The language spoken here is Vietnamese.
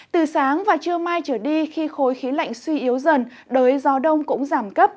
từ sáng và trưa mai trở đi khi khối khí lạnh suy yếu dần đới gió đông cũng giảm cấp